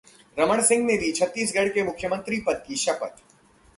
रमण सिंह ने ली छत्तीसगढ़ के मुख्यमंत्री पद की शपथ